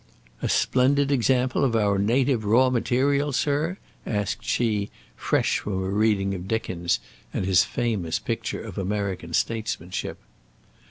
"A splendid sample of our native raw material, sir?" asked she, fresh from a reading of Dickens, and his famous picture of American statesmanship.